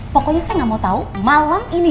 pokoknya saya nggak mau tahu malam ini